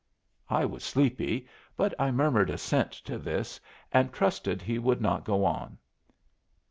I was sleepy, but I murmured assent to this, and trusted he would not go on.